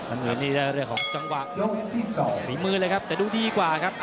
อันนี้ได้เลือกของจังหวะมีมือเลยครับแต่ดูดีกว่าครับ